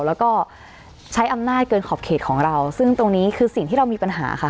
แล้วก็ใช้อำนาจเกินขอบเขตของเราซึ่งตรงนี้คือสิ่งที่เรามีปัญหาค่ะ